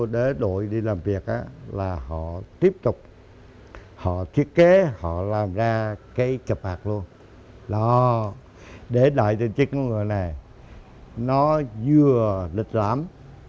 để đợi cho chiếc nón ngựa này nó vừa lịch lãm